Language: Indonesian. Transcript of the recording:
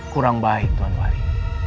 kurang baik tuan wali